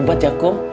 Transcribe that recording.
hebat ya kum